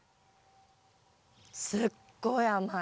すっごい甘い。